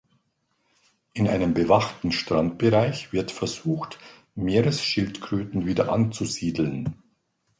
In einem bewachten Strandbereich wird versucht Meeresschildkröten wieder anzusiedeln.